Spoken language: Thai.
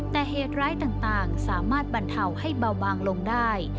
แต่เหตุร้ายต่างสามารถบรรเทาให้เบาบางลงได้